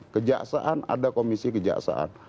kejaksaan ada komisi kejaksaan